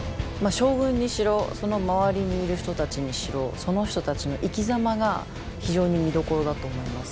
将軍にしろその周りにいる人たちにしろその人たちの生きざまが非常に見どころだと思います。